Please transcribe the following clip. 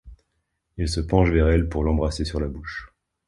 Il se penche vers elle pour l'embrasser sur la bouche.